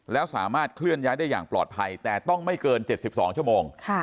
แล้วสามารถเคลื่อนย้ายได้อย่างปลอดภัยแต่ต้องไม่เกิน๗๒ชั่วโมง